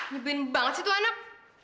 nyibin banget sih tuh anak